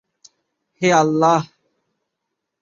হে আল্লাহ!